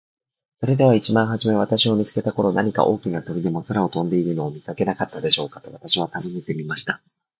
「それでは一番はじめ私を見つけた頃、何か大きな鳥でも空を飛んでいるのを見かけなかったでしょうか。」と私は尋ねてみました。